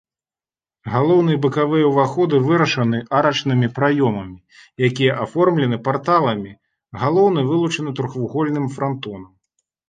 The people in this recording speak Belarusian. Галоўны і бакавыя ўваходы вырашаны арачнымі праёмамі, якія аформлены парталамі, галоўны вылучаны трохвугольным франтонам.